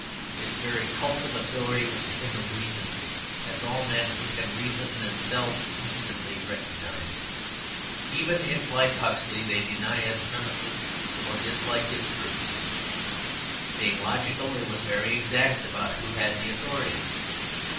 Its very cult of authority was a thing of reason, as all men who can reason themselves instantly recognize, even if, like Huxley, they deny its premises or dislike its fruits. Being logical, it was very exact about who had the authority.